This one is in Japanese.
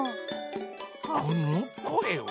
このこえは？